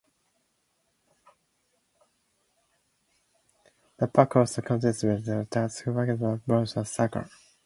The park also contains Veteran's Memorial Stadium, a facility for football and soccer.